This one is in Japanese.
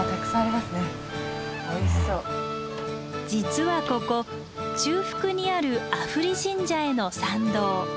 実はここ中腹にある阿夫利神社への参道。